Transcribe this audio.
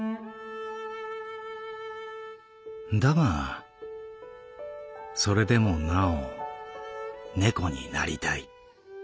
「だがそれでもなお猫になりたい。